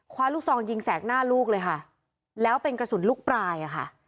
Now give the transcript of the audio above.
ลูกซองยิงแสกหน้าลูกเลยค่ะแล้วเป็นกระสุนลูกปลายอ่ะค่ะ